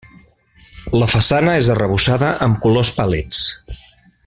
La façana és arrebossada amb colors pàl·lids.